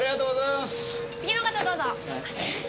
次の方どうぞ。